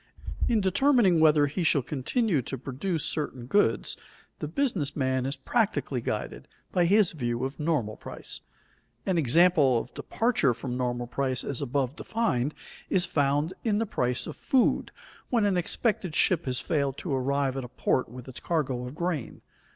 In determining whether he shall continue to produce certain goods, the business man is practically guided by his view of normal price. An example of departure from normal price as above defined, is found in the price of food when an expected ship has failed to arrive at a port with its cargo of grain.